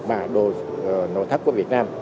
mà đồ nội thấp của việt nam